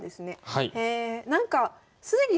はい。